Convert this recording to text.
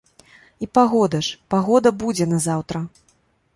І пагода ж, пагода будзе на заўтра.